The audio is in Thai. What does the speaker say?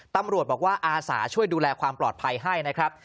ตำรวจบอกว่าอาสาช่วยดูแลความปลอดภัยให้นะครับ